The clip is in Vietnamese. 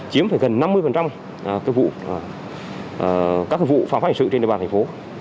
chiếm gần năm mươi các vụ phạm pháp hành sự trên địa bàn thành phố